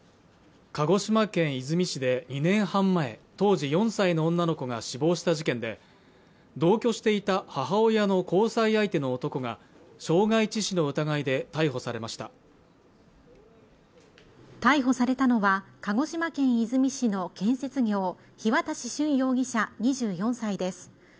鹿児島県出水市で２年半前当時４歳の女の子が死亡した事件で同居していた母親の交際相手の男が傷害致死の疑いで逮捕されました逮捕されたのは鹿児島県出水市の建設業日渡駿容疑者２４歳です